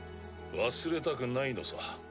忘れたくないのさ。